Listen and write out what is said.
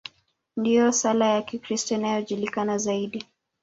Ndiyo sala ya Kikristo inayojulikana zaidi.